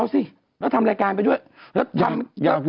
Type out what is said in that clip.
เอาสิแล้วทำรายการไปด้วย